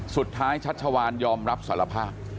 สุดท้ายชัชชาวานยอมรับสารภาพ